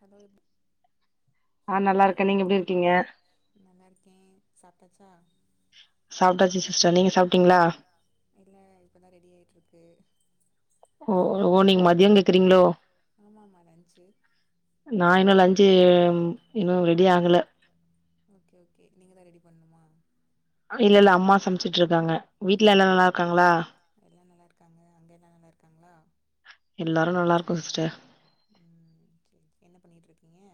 Hello எப்- க நீங்க எப்டி இருக்கீங்க சாப்டாச்சா சாப்ட்டாச்சு சிஸ்டர் நீங்க சாப்ட்டீங்களா இல்ல இப்பதான் ரெடி ஆயிட்டு இருக்கு ஓ ஓ நீங்க மதியங் கேக்குறீங்களோ ஆமா ஆமா லன்ச்சு நா இன்னு லஞ்சு இன்னு ரெ ரெடியாகள ஓகே ஓகே நீங்க தா ரெடி பண்ணுமா இல்ல இல்ல அம்மா சம்ச்சுட்ருக்காங்க வீட்ல எல்லா நல்லார்க்காங்களா காங்க அங்க எல்லா நல்லார்க்காகளா எல்லாரு நல்லாருக்கோ சிஸ்டர் ங்க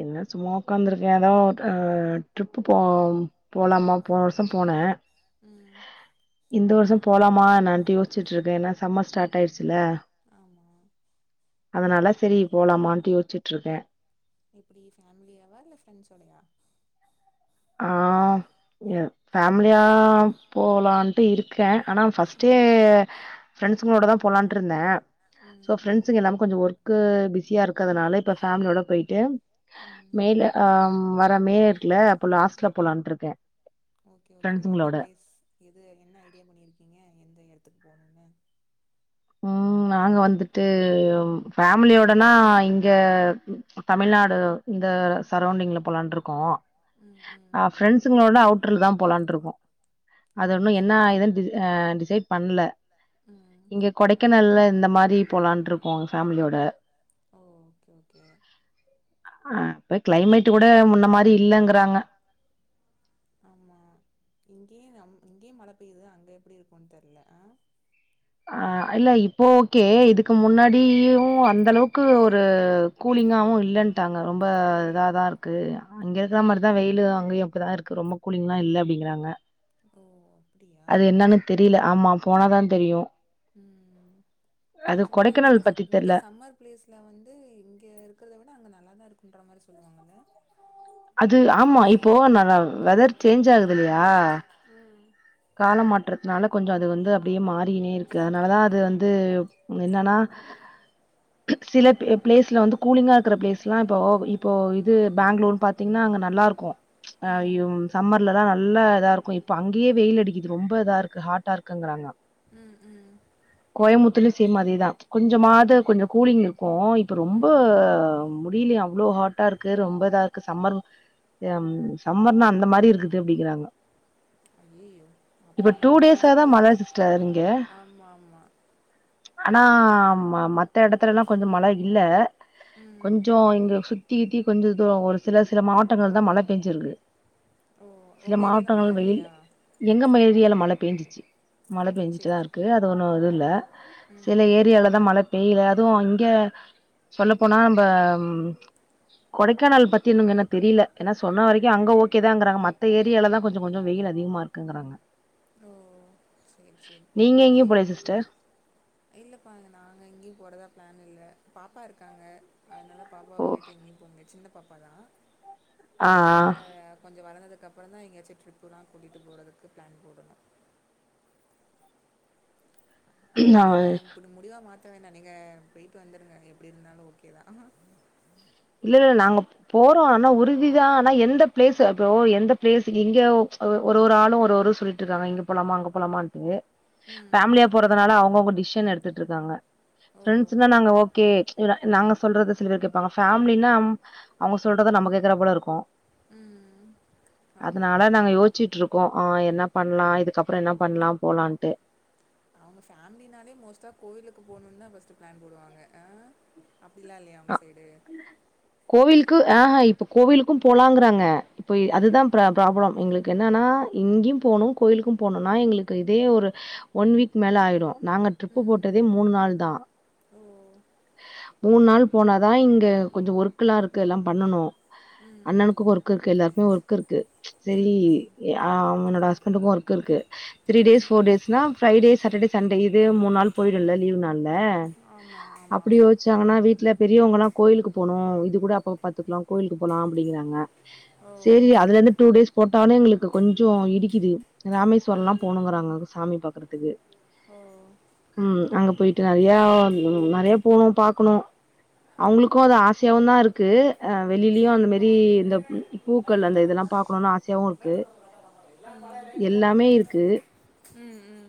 என்ன சும்மா உக்காந்துருக்க எதோ அ ட்ரிப்பு போம் போலாமா போன வர்ஷோ போன ம் இந்த வர்ஷோ போலாமா என்னான்ட்டு யோசிச்சிட்ருக்கே எனா சம்மர் ஸ்டார்ட் ஆயிருச்சு துல ஆமா அதனால செரி போலாமான்ட்டு யோசிச்சுட்ருக்க எப்டி ஃபேமிலியாவா இல்ல ஃப்ரெண்ட்ஸோடையா ஆஹ் எ ஃபேமிலியா போகலான்ட்டு இருக்க ஆனா ஃபர்ஸ்ட்டே ம் ஃப்ரெண்ட்ஸுங்களோட தா போலான்ட்ருந்த சோ ப்ராண்ட்ஸுங்க எல்லாமே கொஞ்சோ ஒர்க்கு பிஸியாருக் க்கதனால இப்ப ஃபமிலியோட போய்ட்டு ம் ம் மேல அஹ்ம் வர மே இருக்குல லாஸ்ட்ல போலான்ட்ருக்கே ஓகே ஓகே என்ன ஃப்ரெண்ட்ஸுங்களோட ப்லேஸ் எது என்ன ஐடியா பண்ணிருக்கீங்க எந்த எடத்துக் போனுனு ம் நாங்க வந்துட்டு ஃபேமிலியோடனா இங்க தமிழ்நாடு இந்த சரௌண்டிங்ல போலான்ட்ருக்கோ ம் ம் அஹ் ப்ரெண்ட்ஸுங்களோட அவுட்டர்ல் தா போலான்ட்ருக்கோ அது ஓ ஒன்னு என்னா சூப்பர் இதுன் சூப்பர் டிஸ் அ டிசைட் பண்ல ம் கொடைக்கானல்ல இந்த மாரி போலான்ட்ருக்கோ ஃபேமிலியோட ஓ ஓகே ஓகே ஆ ப்ப க்ளைமேட் கூட முன்ன மாரி இல்லங்குறாங்க இங்கே மழ பெயுது அங்க எப்டி இருக்குன் தெர்ல அ ஆஹ் இல்ல இ ப்போ ஓகே இதுக்கு முன்னாடியு அந்தளவுக்கு ஒரு கூலிங்காவு இல்லன் ட்டாங்க ரொம்ப இதாதா இருக்கு இங்க இருக்ற மாரிதா வெயிலு அங்கயு அப்டி தா இருக்கு ரொம்ப கூலிங்லா இல்ல அப்டிங்குறாங்க ஓ அப்டியா அது என்னன்னு தெரில ஆமா போனாதா தெரியு ம் அது ஆக்சுவலா இதானே கொடைக்கானல் பத்தி இங்க தெர்ல சம்மர் பிளேஸ்ல வந்து இங்க இருக்குறத விட அங்க நல்லா தா இருக்குன்ற மாரி சொல்லுவாங்கல்ல அது ஆமா இப்போ நா வெதர் சேஞ்ச் ஆகுது இல்லியா ம் கால மாற்றத்னால கொஞ்சோ அது வந்து அப்டியே மார் ரினே இருக்கு அதுனால தா அது வந் து என்னன்னா சில பே பிளேஸ்ல வந்து கூலிங்கா இருக்குற பிளேஸ்லா இப்போ இப்போ இது பேங்ளூர் பாத்தீங்கன்னா அங்க நல்லாருக்கு ம் ஐய்யும் சம்மர்லதா நல்ல இதா இருக்கு இப்ப அங்கயே வெயில் அட் டிக்குது ரொம்ப இதா இருக்கு ஹாட்டா இருக்குங்குறாங்க ம் ம் கோயமுத்துலியு சேம் அதேதா கொஞ்ச மாத கொஞ்ச கூலிங் இருக்கு இப்ப ரொம்ப ம் முடிலியா அவ்ளோ ஹாட்டா இருக்கு ரொம்ப இதா இருக்கு சம்மர் ம் சம்மர்னா அந்த மாரி இருக்குது அப்டிங்கறாங்க ஐயையோ அப்ப இப்ப அங்க டூ டேஸாதா போறதுக்கு மழ சிஸ்டர் இங்க ஆமா ஆமா ஆனா ம மத்த எடத்துலலா கொஞ்ச மழ இல்ல ம் கொஞ்சோ இங்க சுத் த்தி கித்தி கொஞ்சோ தோ ஒரு சில சில மாவட்டங்கள்ள தா மழ பேஞ்சிருக்கு ஓ சில உங்க ஏரியால மழ மாவட்டங்கள் வெயில் இல்லையா எங்கம்ம ஏரியால மழ பேஞ்சிச்சி ஓ மழ சேரி பேஞ்சுட்டுதா சேரி இருக்கு அது ஒண்ணு இது இல்ல ம் சில ம் ஏரியால தா மழ வெயிலாதுவு இங்க சொல்லப்போனா நம்ப கொடைக்கானல் பத்தி இன்னுங்கன்ன தெரில ஏன்னா சொன்ன வரைக்கு அங்க ஓகே தாங்கறாங்க மத்த ஏரியால தா கொஞ்சொ கொஞ்சொ வெயில் அதிகமா இர் க்குங்கறாங்க ஓ சேரி சேரி எங்கயு முடியு போலயா சிஸ்டர் இல்லப்பா நாங்க எங்கியு போறதா பிளான் இல்ல பாப்பா இருக்காங்க அதனால பாப்பாவ ஓ கூட்டிட்டு எங்கேயு போமுடியாத் சின்ன பாப்பாதா ஆ அதனால கொஞ்சோ வளர்ந்தது கப்பறந்தா எங்கேயாச்சு ட்ரிப்புலா கூட்டிட்டு போறதுக்கு பிளான் போடணு அவள் த வேணா நீங்க போயிட்டு வந்துருங்க எப்டி இருந்தாலு ஓகேதா அஆ இல்லல்லல்ல நாங்க போறோ ஆனா உறுதிதா ஆனா எந்த பிளேஸ்சு இப்போ எந்த பிளேஸ்சு இங்யா ஹோப்ஸ் அ ஒரு ஒரு ஆளோ ஒரு ஒரு சொல்லிட்டுருக்காங்க இங்க போலாமா அங்க போலாமான்ட்டு ம். ஃபேமிலியா போறதுனால அவுங்கவுங்க டி ஷன் எடுத்துட்ருக்காங்க ஓ! ஃப்ரெண்ட்ஸ்னா நாங்க ஓகே ச்ச வுர நாங்க சொல்றது சிலர் கேப்பாங்க ஃபேமிலினா அம் அவுங்க சொல்றத நம்ம கேக்குற போல இருக்கோ ம். ஆமா, அதனால ஆமா. நாங்க யோச்சிட்ருக் கோ ஆ என்ன பண்லா இதுக்கப்பற என்ன பண்லா போலான்ட்டு அவுங்க ஃபேமிலினாலே மோஸ்ட்டா கோயிலுக்கு போணுனு ஃபஸ்ட்டு பிளான் போடுவாங்க அப்டிலா இல்லயா உங்க சைட்டு க்கு அஆ இப்ப கோவிலுக்கு போலாங்கிறாங்க பொய் அதுதா ம், பிரா பிராப்ளம் எங்ளுக்கு என்னென்னா இங்யு போனு கோயிலுக்கு போனுனா எங்ளுக்கு இதே ஒரு ஒன் வீக் மேல ஆயிடோ நாங்க ட்ரிப்பு ம். போட்டதே மூண் நாள்தா ஓ! மூண் நாள் போனாதா இங்க கொஞ்ச ஒர்க்லா இருக்கு எல்லா பண்ணனு ம், அண்ணனுக்கு ஒர்க் இருக்கு எல்லார்க்குமே ஒர்க் இருக்கு ச்ச செரி ம், ம், யா ஆம் என்னோட ஹஸ்பண்ட்க்கு ஒர்க் இருக்கு த்ரீ டேஸ் ம். ஃபோர் டேஸ்னா ஃப்ரீடே சட்டர்டே சண்டே இதே மூண் நாள் போயிடோல லீவ் நாள்ல ஆமா, ஆமா. அப்டி யோச்சாங்கனா வீட் பெரியுங்கலா கோயிலுக்கு போனு இது கூட அப்பவு பாத்துக்லா கோயிலுக்கு போலா அப்டிங்கறாங்க ஓ! சேரி அதுல இந்து டூ டேஸ் போட்டாவு எங்குளுக்கு கொஞ்சோ இடிக்குது ராமேஸ்வரோலா ம். போணோங்கறாங்க சாமி பாக்கறதுக்கு ஓ! ம் அங்க போயிட்டு நெறையா ம் நெறையா போனு பாக்கணு அவுங்ளுக்கோ அது ஆசையாவுதா இருக்கு அ வெளிலியு ம், அந்த மேரி இந்த மு பூக்கள் அந்த இதெல்லா பாக்கணுனு ஆசையாவு இருக்கு எல்லாமே இருக்கு. ம் ம்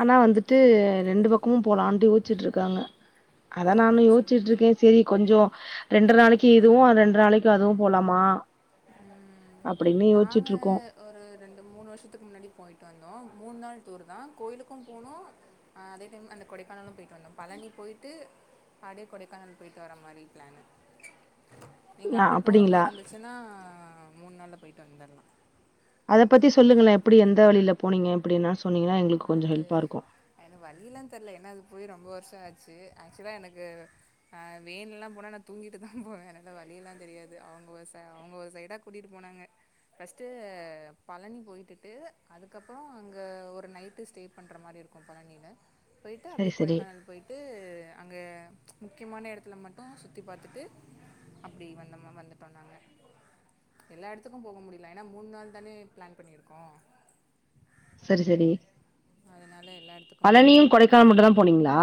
ஆனா வந்துட்டு ரெண்டு பக்கமு போலாண்ட்டு யோச்சுட்ருக்காங்க தா ஓ! நானு சரி. யோச்சிட்டுருக்கே சேரி கொஞ்சோ ரெண்ட்ரே நாளக்கி இதுவு அ ரெண்ட்ரே நாளக்கி அதுவு போலாமா அப்டின்னு யோச்சுட்டுருக்கோ நாங்கள் ஒரு ரெண்டு மூணு வருஷத்துக்கு முன்னாடி போயிட்டு வந்தோ மூண் நாள் டூர்தா கோயிலுக்கு போணோ ஆ அதே டைம் அந்த கொடைக்கானலு போயிட்டு வந்தோ ‌பழனி போயிட்டு அப்டே கொடைக்கானல் போயிட்டு வர மாரி பிளான்னு நீங்க அ அப்டி போற அப்படிங்களா? மாரி இருந்துச்சுனா மூண் நாள்ல போயிட்டு வந்துர்லா அத பத்தி சொல்லுங்களே எப்டி எந்த வழில போனீங்க எப்டினா சொன்னீங்கனா எங்ளுக்கு அது என்ன வழிலா தெர்ல ஏனா அது போயி ரொம்ப வர்ஷோ ஆச்சு ஆக்சுவலா எனக்கு ஆ வென்லலா போனா நா தூங்கிட்டுதா போவ எனக்கு வழியெல்லா தெரியாது அவுங்க ஒரு ச அவுங்க ஒரு சைடா கூட்டிட்டு போனாங்க ஃபர்ஸ்ட்டு பழனி போயிகிட்டு அதுக்கப்பறோ அங்க ஒரு நைட்டு டே பண்ற மாரி இருக்கோ பழனில போயிட்டு அப்டி சரி, சரி. கொடைக்கானல் போயிட்டு அங்க ச்ச முக்கியமான எடத்துல மட்டு சுத்தி பாத்துட்டு அப்டி வந்தோமம் வந்துட்டோ நாங்க எல்லா எடத்துக்கு போவு முடில ஏனா மூண் நாள் தானே பிளான் பண்ணி இருக்கோ சரி சரி அதுனால எல்லா எடத்துக்கும் போ பழனியும், முடில கொடைக்கானல் மட்டும் தான் போனீங்களா?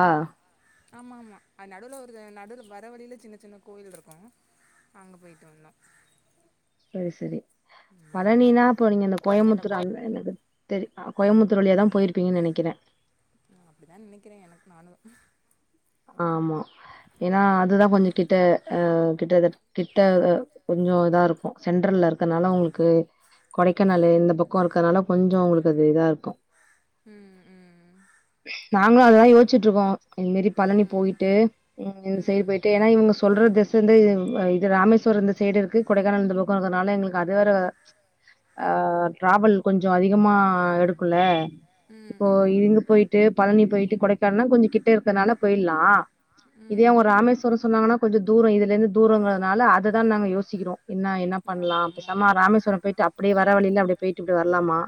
ஆமா ஆமா அது நடுவுல ஒரு நடு வ வர்ற வழில சின்ன சின்ன கோயில்ருக்கு அங்க போய்ட்டு வந்தோ சேர் சரி பழனினா போனீங்க அந்த கோயம்முத்தூர் அங்க என்னது தெர் அ கோயம்முத்தூர் வழியா தா போயிருப்பீங்க நெனைக்கிற ம் அப்டிதா நெனைக்கிற எனக் நானு ஆமா ஏனா அதுதா கொஞ்சோ கிட்ட அ கிட்ட கிட்ட கொஞ்சோ இதா இருக்கு சென்டர்ல இருக்கறனால உங்களுக்கு கொடைக்கானலு இந்த ம் பக்கோ இருக்கனால கொஞ்சோ உங்களுக் ததிதா இருக்கு ம் ம் ம் நாங்களு அதா ஓகே யோச்சுட்ருக்கோ இன்மாரி [unintelligible] ம் போய்ட்டு ம் இன்சைடு போய்ட்டு எனா இவுங்க சொல்ற [unintelligible] இது ராமேஸ்வரோ இந்த சைடிருக்கு கொடைக்கானல் இந்த பக்கோ இருக்கறனால எங்களுக்கு அது வேற ஆ ட்ராவல் கொஞ்சோ அதிகமா எடுக்குல்ல ம் இப்போ ம் இதுங்க போய்ட்டு பழனி போய் ட்டு கொடைக்கானா கொஞ்சோ கிட்ட இருக்கனால போயிட்லா இதே ம் ஒ ராமேஸ்வரோ சொ சொன்னாங்கனா கொஞ்சோ தூரோ இதுலிந்து தூரோங்கறதுனால அததா நாங்க யோசிக்கிறோ என்னா என்ன பண்லா ஆமா ஆமா பேசாம ராமேஸ்வரோ பேய்ட்டு அப் அப்டி வர வழில அப்டி பேய்ட்டு இப்டி வர்லாமா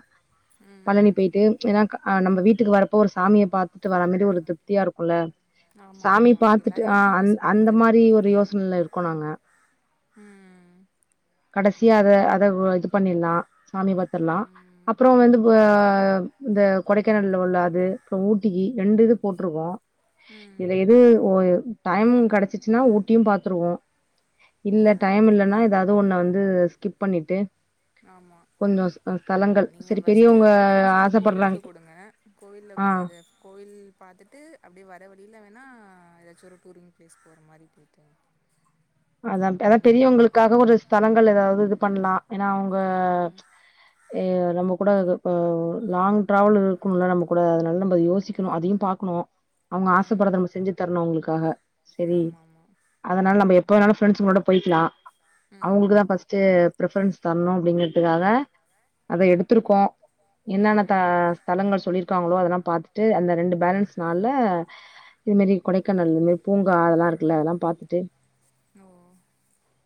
பழனி ம் பேய்ட்டு எனா க ஆ நம்ப வீட்டுக்கு வரப்போ ஒரு சாமிய பாத்துட்டு வரமிரி ஒரு திப்தியா இருக்குல்ல ஆமா சாமி ஆமா பாத்துட்டு எல்லாரும் ஆ அதான் அன் யோசிப்பாங்க அந்த மாரி ஒரு யோசனில இருக்கோ நாங்க ம் கடசியா அத அத ப இது பண்ணி ல்லா சாமிய பாத்தர்லா ம் அப்றோ வந்து ப அ இந்த கொடைக்கானல்ல உள்ள அது அப்றோ ஊட்டிக்கி ரெண்டு இது போட்ருக்கோ ம் இதுல எது ஓ எ டைம் கெடச்சிச்சுன்னா ஊட்டியு பாத்துருவோ ஓ இல்ல டைம் இல்லன்னா எதாவது ஒண்ண வந் து ஸ்கிப் பண்ணிட்டு ஆமா கொஞ்சோ ஸ் ஸ்தலங்கள் நீங்க சரி ஃபஸ்ட்டு பெரியவங்க பிரிஃபரன்ஸ் வந்து கோவிலுக்கு ஆசப்படுறாங்க குடுங்க கோவில்ல ஆ அது கோவில் பாத்துட்டு அப்டி வ ர்ற வழில வேனா எதாச்சு ஒரு டூரிங் பிளேஸ் போற மாரி போய்ட்டு அதாம்ட அதா பெரியவுங்களுக்காக ஒரு ஸ்தலங்கள் எதாவது பண்லா எனா அவுங்க ம் இ நம்ம கூடாதுப்ப லாங் ட்ராவல் இருக்கணும்ல நம்ம கூட அதுனால நம்ம யோசிக்கணு அதையு பாக்கணு அவுங்க ம் ஆசப்படுறத நம்ம செஞ்சு தரணு அவுங்களுக்காஹ ம் செரி ஆமா ஆமா அதனால நம்ம எப் ம் எப்பவேனாலு ஃப்ரெண்ஸுங்களோட போய்க்லா அவுங்களுக்கு தா ம் ஃபஸ்ட்டு பிரிஃபரன்ஸ் தர்ணு அப்டிங்கிறதுக்காக அத எடுத்துருக்கோ என்னென்ன த ம் ஸ்தலங்கள் சொல்லிரு க்காங்களோ அதெல்லா பாத்துட்டு அந்த ரெண்டு பேலன்ஸ் நாள்ல இது மேரி கொடைக்கானல் பூங்கா அதல்லா இருக்குல அதல்லா பாத்துட்டு ஓ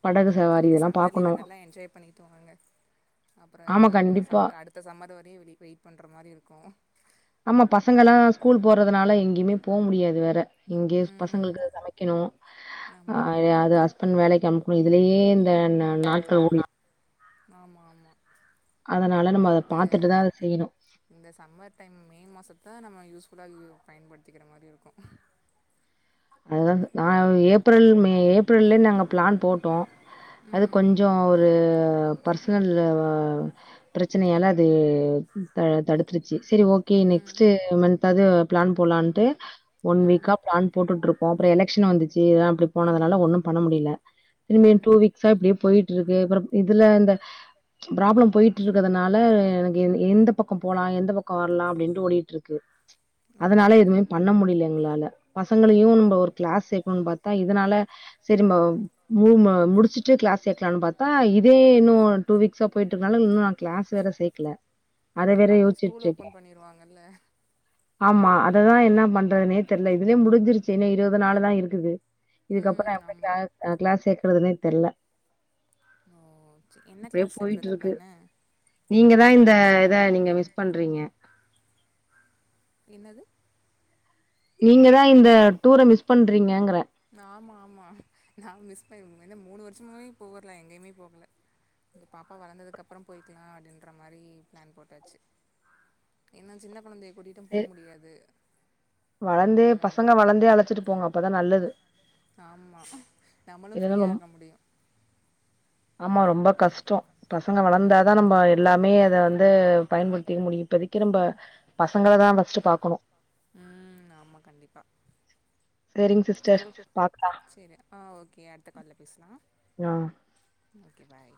படகு ஓகே ஓகே சவாரி இந்த இதெல்லா சம்மர் லீவ பாக்கணு நல்லா என்ஜாய் பண்ணிட்டு வாங்க அப்ற ஆமா மறுடியு கண்டிப்பா சம்மர் அடுத்த சம்மர் வரையு வெளி வெயிட் பண்ற மாரி இருக்கு ஆமா பசங்கலா ஸ்கூல் போறதுனால எங்கியுமே போ முடியாது வேற இங்கே ம் பசங்களுக்கு சமைக்கணு அ ஆமா அது ஹஸ்பண்ட் வேலைக்கு அன் அப்றோ இதுலயே ந ந நாட்கள் ஓடி ஆமா ஆமா அதனால நம்ம அத இந்த பாத்துட்டுதா அத செய்யணு இந்த சம்மர் டைம் மே மாசத்தா நம்ம யூஸ் [unintelligible] பயன்படுத்திக்கிற மாரி இருக்கு அதுதா நா ஏப்ரல் மே ஏப்ரல்லே நாங்க பிளான் போட்டோ அது ம் கொஞ்சோ ஒரு பர்சனல் வ ப்ரெச்சனைலா அது தடுத்துருச்சு செரி ஓகே ம் நெக்ஸ்ட்டு மன்தாது பிளான் போட்லான்ட்டு ஒன் ம் வீக்கா பிளான் போட்டுட்ருக் கோ அப்ற எலக்க்ஷன் வந்துச்சு அப்டி போனதனால ஒன்னு ஆமாம் பண்ண முடில திரும்பி ம் டூ வீக்ஸா இப்டே போயிட் ட்ருக்கு ப்றம் இதுல அந்த ப்ராப்ளம் போயிட்ருக்கறதனால எனக்கு எந் எந்த பக்கம் போலா எந்த பக்கம் வர்லா அப்டின்ட்டு ஓடிட்டுருக்கு ஓ அதனால எதுவுமே பண்ண முடில எங்களால பசங்களையு ஓ [unintelligible] சேகனுன் பாத்தா இதனால சேரி ம மு ம முடிச்ட்டு கிளாஸ் சேக்கலானு பாத்தா இதே இன்னு டூ வீக்ஸா போயிட்ருக்கனால இன்னு நா கிளாஸ் வேற சேக்கல அதுக் அப்பறொ ஸ்கூல் ஓபன் பண்ணிருவாங்கல்ல அது தா என்னா பண்றதுனே தெர்ல இதுவே முடிஞ்சிருச் என்ன இருவது நாலு தா இருக்குது இதுக்கப்ற நா ம் எப்டி கிளா ஆமாம் அ கிளாஸ் சே க்றதுனே தெர்ல ஓ சரி என்ன இப்டியே கிளாஸ் சேர்க்குறதா போய்ட்ருக்கு பிளானு நீங்க தா இந்த இத நீங்க மிஸ் பண்றீங்க என்னது நீங்க தா இந்த டூர மிஸ் பண்றீங்கங்குற ஆமா ஆமா நா மிஸ் பண் [unintelligible] மூணு வருஷமாவே போகரல எங்கேயுமே போகல பாப்பா வளந்ததுக்ப்பறம் போயிக்லா அடின்ற மாரி பிளான் போட்டாச்சு ஏன்னா சின்ன கொழந்தைய கூட்டிட்டும் போ முடியாது. வளந்தே பசங்க வளந்தே அழச்சிட்டு போங்க அப்பதா நல் ஆமா நம்மளு இல்லன்னா ஃப்ரீயா ரொம் இருக்க முடியு ஆமா ரொம்ப கஷ்டோ பசங்க வளந்தாதா ம் நம்ப எல்லாமே அத வந் து பயன்படுத்திக்க முடியு இப்பதைக்கு நம்ப பசங்கள தா ஃபஸ்ட் பாக்கணு ம் ஆமா கண்டிப்பா சரிங்க சிஸ்டர் பாக்கலாம். சேரி ஆ ஓகே அடுத் த கால்ல பேசலா ஆ ஓகே பாய்